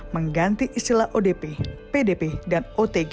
mengganti istilah odp pdp dan otg